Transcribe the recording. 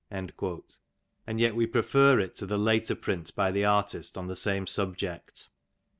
;^' and yet we prefer it to the later print by the artist on the same subject.